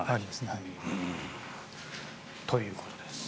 ということです。